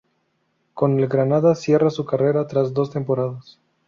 Con el Granada cierra su carrera tras dos temporadas.